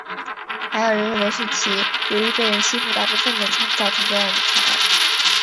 还有人认为其是由于被人欺负导致愤怒才造成这样的惨案。